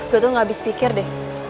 gue tuh gak habis pikir deh